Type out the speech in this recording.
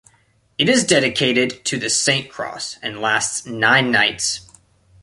It is dedicated to the Saint Cross, and lasts nine nights.